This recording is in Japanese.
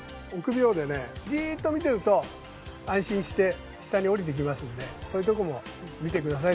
じっと見てると安心して下に下りてきますのでそういうところも見てください